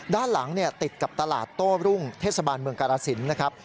ด้านหลังติดกับตลาดโต้รุ่งเทศบาลเมืองกาลสินนะครับ